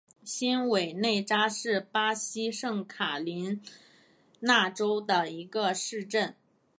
新韦内扎是巴西圣卡塔琳娜州的一个市镇。